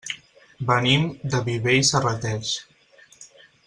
Venim de Viver i Serrateix.